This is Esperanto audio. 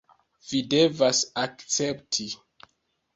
Vi devas akcepti